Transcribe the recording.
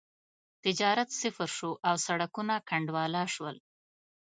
تجارت صفر شو او سړکونه کنډواله شول.